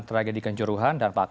terima kasih ndak